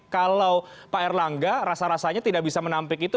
kalau pak erlangga rasa rasanya tidak ada agenda politik